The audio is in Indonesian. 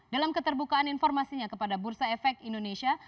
dalam keterbukaan informasinya kepada bursa efek indonesia